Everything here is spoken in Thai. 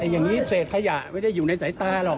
อย่างนี้เศษขยะไม่ได้อยู่ในสายตาหรอก